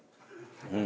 うん。